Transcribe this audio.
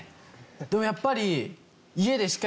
でもやっぱり。